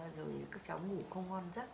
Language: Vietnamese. rồi các cháu ngủ không ngon rất